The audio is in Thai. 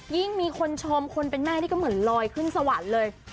ยิ่งมีคนชมคนเป็นแม่นี่ก็เหมือนลอยขึ้นสวรรค์เลย